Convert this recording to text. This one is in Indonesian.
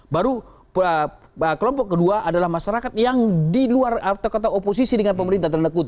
baru kelompok kedua adalah masyarakat yang di luar atau kata kata oposisi dengan pemerintah